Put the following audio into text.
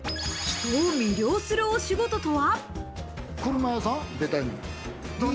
人を魅了するお仕事とは。